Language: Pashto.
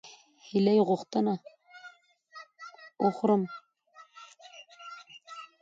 ایا زه باید د هیلۍ غوښه وخورم؟